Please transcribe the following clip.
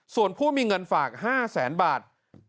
ส่วนผู้มีเงินฝาก๕แสนบาท